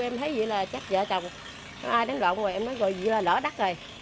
em thấy gì là chắc vợ chồng ai đánh lộn rồi em nói gì là lỡ đắt rồi